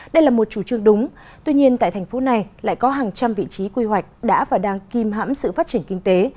đây là một chủ trương đúng tuy nhiên tại thành phố này lại có hàng trăm vị trí quy hoạch đã và đang kìm hãm sự phát triển kinh tế